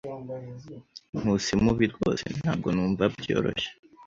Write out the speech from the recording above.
Nkusi mubi rwose. Ntabwo numva byoroshye.